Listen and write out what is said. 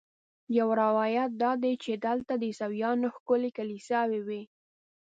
یو روایت دا دی چې دلته د عیسویانو ښکلې کلیساوې وې.